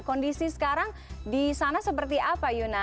kondisi sekarang di sana seperti apa yuna